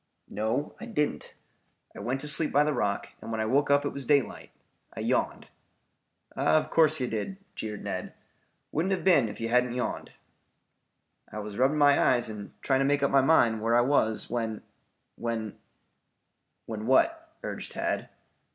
"No, I didn't. I went to sleep by the rock and when I woke up it was daylight. I yawned." "Of course you did," jeered Ned. "Wouldn't have been you if you hadn't yawned." "I was rubbing my eyes and trying to make up my mind where I was when when " "When what?" urged Tad.